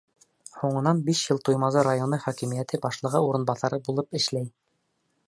Һуңынан биш йыл Туймазы районы хакимиәте башлығы урынбаҫары булып эшләй.